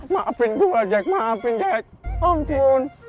maafin gue jack maafin jack ampun